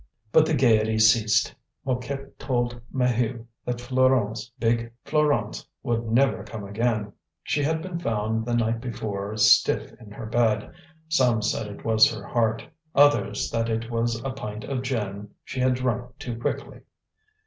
But the gaiety ceased; Mouquette told Maheu that Fleurance, big Fleurance, would never come again; she had been found the night before stiff in her bed; some said it was her heart, others that it was a pint of gin she had drunk too quickly.